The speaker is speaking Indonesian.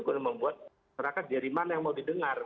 kena membuat serakat dari mana yang mau didengar